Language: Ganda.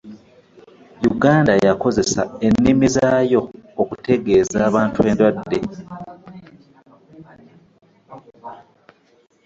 Uganda yakozesa ennimi zaayo okutegeeza abantu endwadde.